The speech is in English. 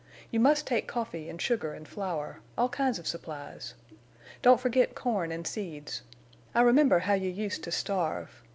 You must take coffee and sugar and flour—all kinds of supplies. Don't forget corn and seeds. I remember how you used to starve.